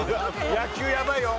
野球やばいよ！